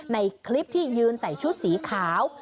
ในคลิปที่ยืนใส่ชุดสีขาว